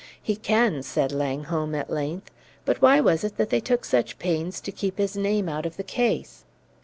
"He can," said Langholm at length. "But why was it that they took such pains to keep his name out of the case?"